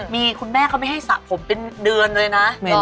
มีคุณแม่เขาไม่ให้สระผมเป็นเดือนเลยนะ